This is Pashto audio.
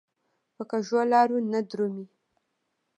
په کږو لارو نه درومي.